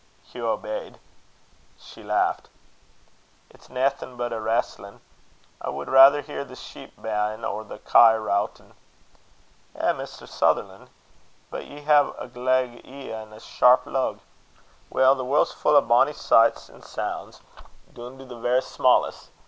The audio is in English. Hugh obeyed. She laughed. "It's naething but a reestlin'. I wad raither hear the sheep baain', or the kye routin'." "Eh, Mr. Sutherlan'! but, ye hae a gleg ee an' a sharp lug. Weel, the warld's fu' o' bonny sichts and souns, doon to the verra sma'est.